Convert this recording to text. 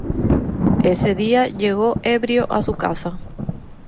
Ese día llegó ebrio a su casa.